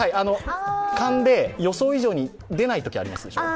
かんで、予想以上に出ないときがありますでしょう。